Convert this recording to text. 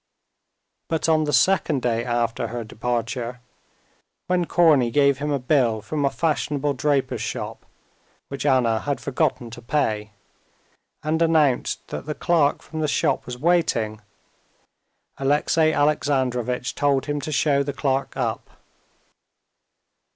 But on the second day after her departure, when Korney gave him a bill from a fashionable draper's shop, which Anna had forgotten to pay, and announced that the clerk from the shop was waiting, Alexey Alexandrovitch told him to show the clerk up.